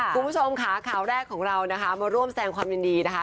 คุณผู้ชมค่ะข่าวแรกของเรานะคะมาร่วมแสงความยินดีนะคะ